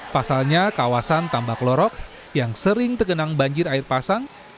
pasalnya kawasan tambak lorok yang sering tergenang banjir air pasang